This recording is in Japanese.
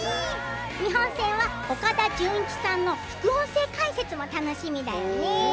日本戦は岡田准一さんの副音声解説も楽しみだよね。